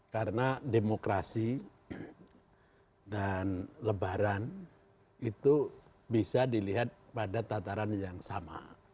karena demokrasi dan lebaran itu bisa dilihat pada tataran yang sama